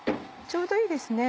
ちょうどいいですね。